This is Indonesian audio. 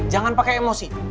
jangan pakai emosi